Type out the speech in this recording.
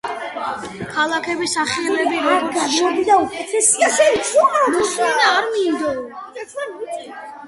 ქალაქის სახელი, როგორც ჩანს, თარიღდება აფრიკაში ვანდალების სამეფოს პერიოდით: ვანდალები, ფაქტობრივად არიანული რწმენის იყვნენ.